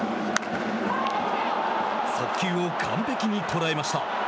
速球を完璧に捉えました。